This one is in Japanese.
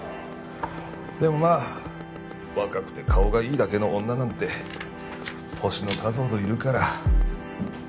でもまあ若くて顔がいいだけの女なんて星の数ほどいるから。